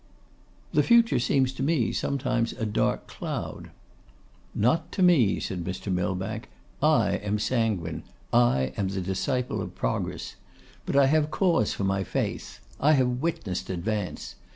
'The future seems to me sometimes a dark cloud.' 'Not to me,' said Mr. Millbank. 'I am sanguine; I am the Disciple of Progress. But I have cause for my faith. I have witnessed advance.